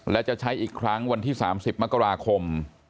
และจะใช้อีกครั้งวันที่๓๐มกราคม